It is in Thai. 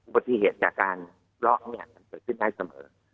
ปฏิเสธจากการเลาะมันเกิดขึ้นได้เสมอ